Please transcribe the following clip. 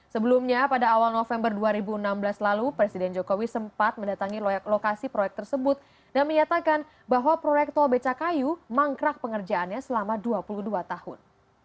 sebelumnya pada awal november dua ribu enam belas lalu presiden jokowi sempat mendatangi lokasi proyek tersebut dan menyatakan bahwa proyek tol becakayu mangkrak pengerjaannya selama dua puluh dua tahun